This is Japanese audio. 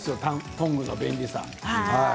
トングの便利さ。